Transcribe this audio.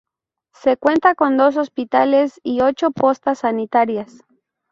Se cuenta con dos hospitales y ocho postas sanitarias.